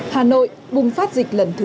hà nội bùng phát dịch lần thứ bốn